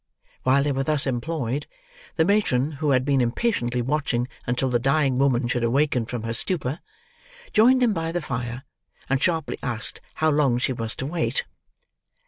While they were thus employed, the matron, who had been impatiently watching until the dying woman should awaken from her stupor, joined them by the fire, and sharply asked how long she was to wait?